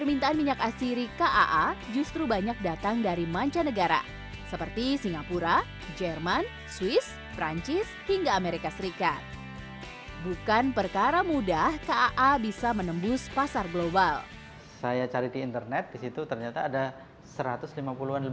minyak asiri merupakan salah satu komoditas agro industri potensial